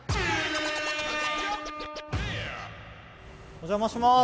お邪魔します。